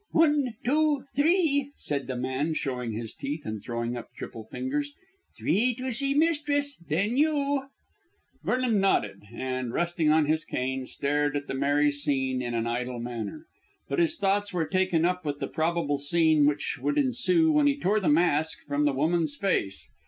"One, two, three," said the man, showing his teeth and throwing up triple fingers. "Three to see mistress. Then you." Vernon nodded and, resting on his cane, stared at the merry scene in an idle manner. But his thoughts were taken up with the probable scene which would ensue when he tore the mask from the woman's face.